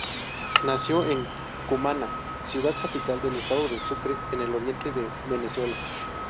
Nació en Cumaná, ciudad capital del estado de Sucre, en el oriente de Venezuela.